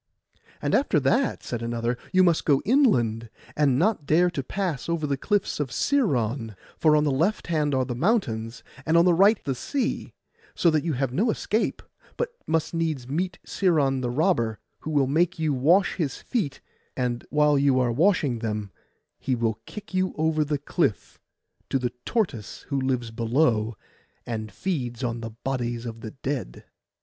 'And after that,' said another, 'you must go inland, and not dare to pass over the cliffs of Sciron; for on the left hand are the mountains, and on the right the sea, so that you have no escape, but must needs meet Sciron the robber, who will make you wash his feet; and while you are washing them he will kick you over the cliff, to the tortoise who lives below, and feeds upon the bodies of the dead.